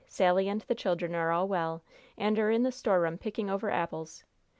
Sally and the children are all well, and are in the storeroom picking over apples.